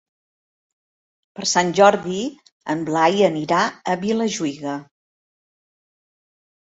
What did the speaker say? Per Sant Jordi en Blai anirà a Vilajuïga.